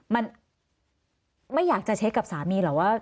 มันไม่อยากจะเช็คกับสามีหรอกว่า